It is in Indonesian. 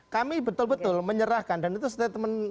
kami betul betul menyerahkan dan itu setelah teman teman itu menyerahkan